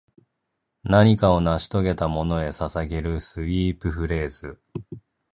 何かを成し遂げたものへ捧げるスウィープフレーズ